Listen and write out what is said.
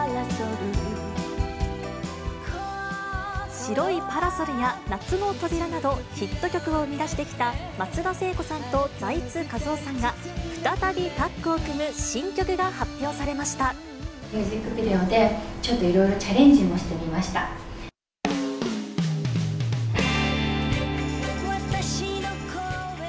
白いパラソルや夏の扉など、ヒット曲を生み出してきた松田聖子さんと財津和夫さんが、再びタミュージックビデオで、ちょっといろいろチャレンジもしてみました。